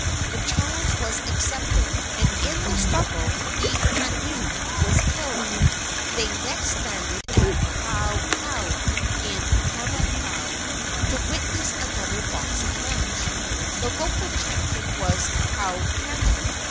The challenge was accepted, and in the struggle Ihuanu was killed. They next landed at Paauhau, in Hamakua, to witness another boxing match. The local champion was Haunaka.